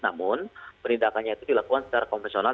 namun penindakannya itu dilakukan secara konvensional